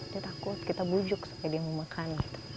dia takut kita bujuk supaya dia mau makan